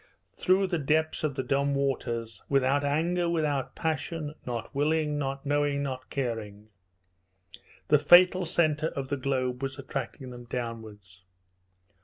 Through the depths of the dumb waters without anger, without passion, not willing, not knowing, not caring the fatal centre of the globe was attracting them downwards.